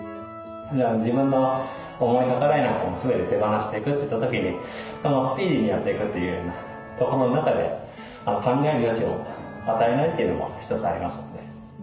自分の思い計らいなんかも全て手放していくといった時にスピーディーにやっていくというようなことの中で考える余地を与えないというのも一つありますよね。